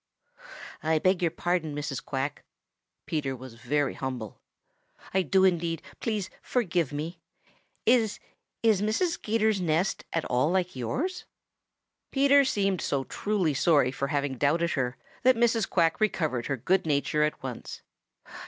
"I beg your pardon, Mrs. Quack." Peter was very humble. "I do indeed. Please forgive me. Is is Mrs. 'Gator's nest at all like yours?" Peter seemed so truly sorry for having doubted her that Mrs. Quack recovered her good nature at once.